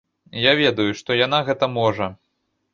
Я ведаю, што яна гэта можа.